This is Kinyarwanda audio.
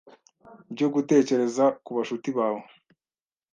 byo gutekereza ku bashuti bawe?